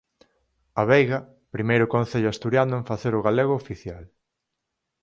A Veiga, primeiro concello asturiano en facer o galego oficial.